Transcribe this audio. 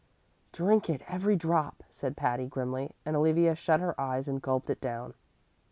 "Drink it every drop," said Patty, grimly; and Olivia shut her eyes and gulped it down.